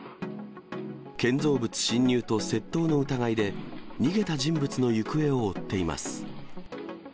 建造物侵入と窃盗の疑いで、逃げた人物の行方を追っています。